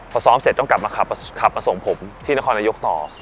พอซ้อมเสร็จต้องกลับมาขับมาส่งผมที่นครนายกต่อ